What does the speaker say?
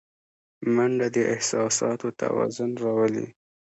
منډه د احساساتو توازن راولي